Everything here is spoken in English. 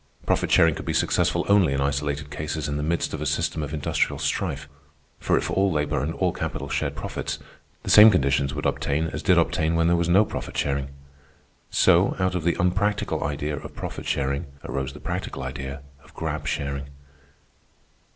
Profit sharing could be successful only in isolated cases in the midst of a system of industrial strife; for if all labor and all capital shared profits, the same conditions would obtain as did obtain when there was no profit sharing. So, out of the unpractical idea of profit sharing, arose the practical idea of grab sharing.